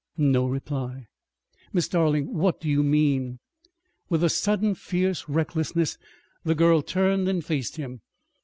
No reply. "Miss Darling, what do you mean?" With a sudden fierce recklessness the girl turned and faced him.